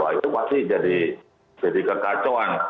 itu pasti jadi kekacauan